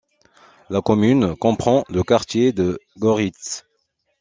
La commune comprend le quartier de Göhritz.